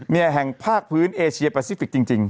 เนี่ยแห่งภาคพื้นเอเชียปาซิฟิกส์จริง